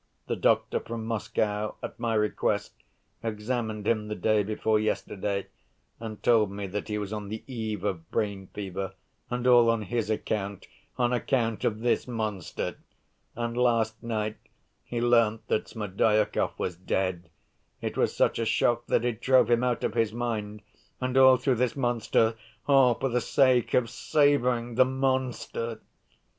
The doctor from Moscow, at my request, examined him the day before yesterday and told me that he was on the eve of brain fever—and all on his account, on account of this monster! And last night he learnt that Smerdyakov was dead! It was such a shock that it drove him out of his mind ... and all through this monster, all for the sake of saving the monster!"